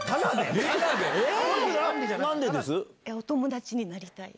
お友達になりたい。